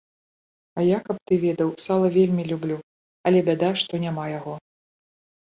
А я, каб ты ведаў, сала вельмі люблю, але бяда, што няма яго.